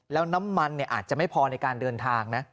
แล้วน้ำมันอาจจะไม่พอในการเดินทางนะ